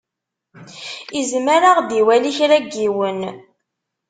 Izmer ad ɣ-d-iwali kra n yiwen.